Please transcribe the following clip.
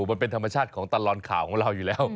มันเป็นธรรมชาติของตลอดข่าวของเราอยู่แล้ว